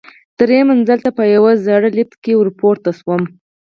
درېیم منزل ته په یوه زړه لفټ کې ورپورته شوم.